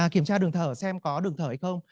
kiểm tra đường thở xem có đường thở hay không